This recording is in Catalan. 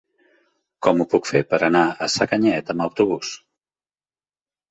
Com ho puc fer per anar a Sacanyet amb autobús?